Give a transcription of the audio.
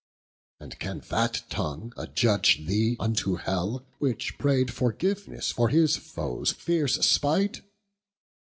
And can that tongue adjudge thee unto hell, Which pray'd forgiveness for his foes fierce spight?